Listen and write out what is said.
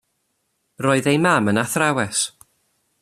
Roedd ei mam yn athrawes.